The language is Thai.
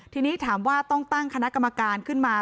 ทีนี้ถามว่าต้องตั้งคณะกรรมการขึ้นมา